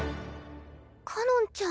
かのんちゃん。